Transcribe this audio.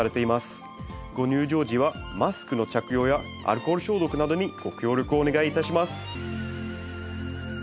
ご入場時はマスクの着用やアルコール消毒などにご協力をお願いいたします